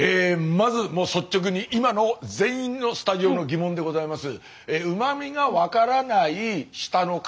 まずもう率直に今の全員のスタジオの疑問でございます。